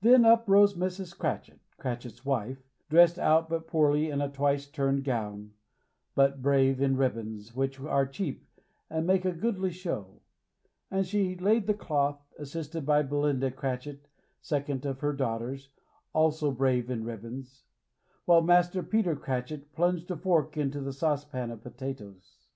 Then up rose Mrs. Cratchit, Cratchit's wife, dressed out but poorly in a twice turned gown, but brave in ribbons, which are cheap and make a goodly show; and she laid the cloth, assisted by Belinda Cratchit, second of her daughters, also brave in ribbons; while Master Peter Cratchit plunged a fork into the saucepan of potatoes.